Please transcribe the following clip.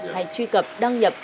hay truy cập đăng nhập